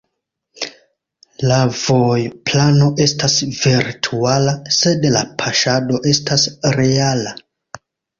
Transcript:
La vojplano estas virtuala, sed la paŝado estas reala.